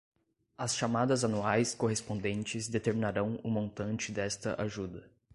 As chamadas anuais correspondentes determinarão o montante desta ajuda.